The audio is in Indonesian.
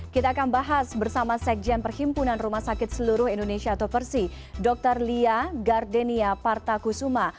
kita akan bahas bersama sekjen perhimpunan rumah sakit seluruh indonesia atau persi dr lia gardenia partakusuma